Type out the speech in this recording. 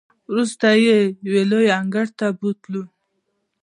وروسته یې یوې لویې انګړ ته بوتللو.